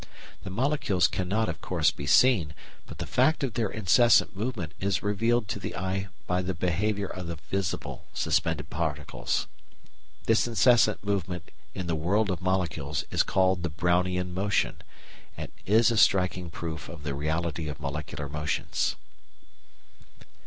The molecules cannot, of course, be seen, but the fact of their incessant movement is revealed to the eye by the behaviour of the visible suspended particles. This incessant movement in the world of molecules is called the Brownian movement, and is a striking proof of the reality of molecular motions.